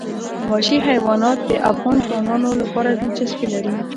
وحشي حیوانات د افغان ځوانانو لپاره دلچسپي لري.